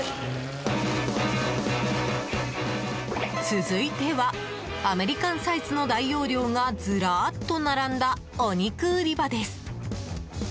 続いてはアメリカンサイズの大容量がずらっと並んだお肉売り場です。